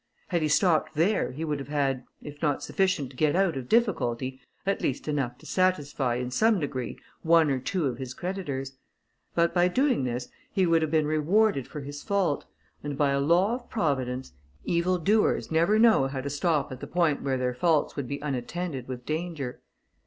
Had he stopped there, he would have had, if not sufficient to get out of difficulty, at least enough to satisfy, in some degree, one or two of his creditors; but by doing this, he would have been rewarded for his fault, and by a law of Providence, evil doers never know how to stop at the point where their faults would be unattended with danger.